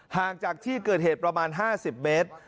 ห่างจากที่เกิดเหตุประมาณ๕๐เมตร